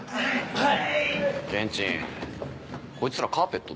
はい！